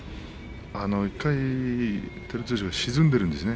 １回、照強が沈んでいるんですね。